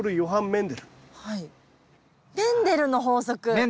メンデルの法則。